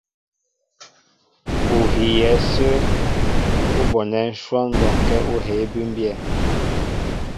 Ú hiyɛ ásə̄ ú bonɛ́ ǹshwɔ́n bɔnkɛ́ ú hēē bʉ́mbyɛ́.